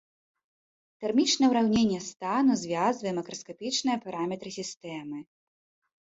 Тэрмічнае ўраўненне стану звязвае макраскапічныя параметры сістэмы.